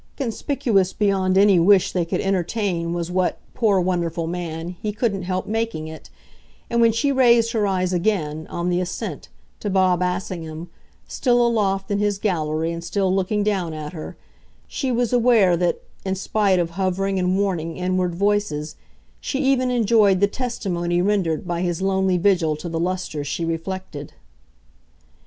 Conspicuous beyond any wish they could entertain was what, poor wonderful man, he couldn't help making it; and when she raised her eyes again, on the ascent, to Bob Assingham, still aloft in his gallery and still looking down at her, she was aware that, in spite of hovering and warning inward voices, she even enjoyed the testimony rendered by his lonely vigil to the lustre she reflected.